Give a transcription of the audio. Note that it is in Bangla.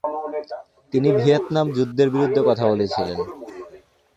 তিনি ভিয়েতনাম যুদ্ধের বিরুদ্ধে কথা বলেছিলেন।